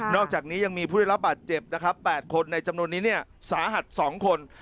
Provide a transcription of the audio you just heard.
อกจากนี้ยังมีผู้ได้รับบาดเจ็บนะครับ๘คนในจำนวนนี้เนี่ยสาหัส๒คน